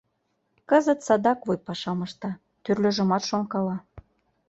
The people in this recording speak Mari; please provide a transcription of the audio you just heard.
Кызыт садак вуй пашам ышта, тӱрлыжымат шонкала.